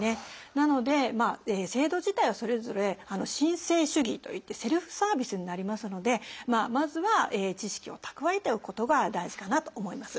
なので制度自体はそれぞれ「申請主義」といってセルフサービスになりますのでまずは知識を蓄えておくことが大事かなと思います。